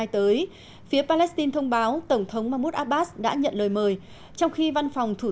tới phía palestine thông báo tổng thống mahmoud abbas đã nhận lời mời trong khi văn phòng thủ